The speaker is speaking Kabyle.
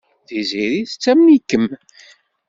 Tiziri tettamen-ikem.